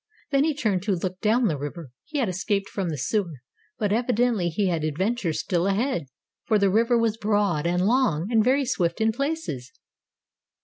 Then he turned to look down the river. He had escaped from the sewer, but evidently he had adventures still ahead, for the river was broad and long, and very swift in places.